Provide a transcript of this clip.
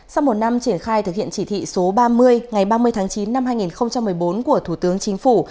sau một năm triển khai thực hiện chỉ thị số ba mươi ngày ba mươi tháng chín năm hai nghìn một mươi bốn của thủ tướng chính phủ